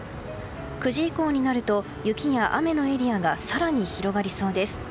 ９時以降になると雪や雨のエリアが更に広がりそうです。